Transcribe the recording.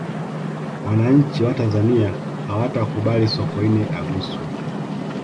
wananchi wa tanzania hawatabuli sokoine aguswe